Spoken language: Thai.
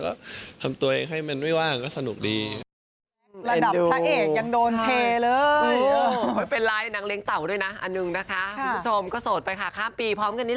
ก็ทำตัวเองให้มันไม่ว่างก็สนุกดี